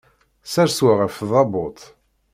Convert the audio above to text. Ssers wa ɣef tdabut.